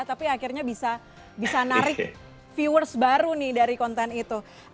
tapi akhirnya bisa narik viewers baru nih dari konten itu